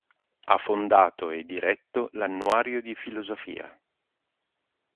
Ha fondato e diretto l"'Annuario di filosofia.